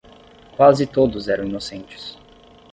Quase todos eram inocentes.